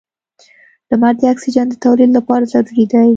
• لمر د اکسیجن د تولید لپاره ضروري دی.